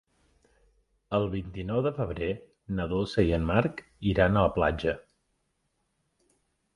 El vint-i-nou de febrer na Dolça i en Marc iran a la platja.